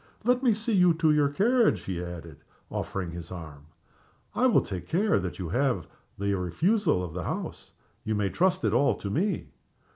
"Let me see you to your carriage," he added, offering his arm. "I will take care that you have the refusal of the house. You may trust it all to me."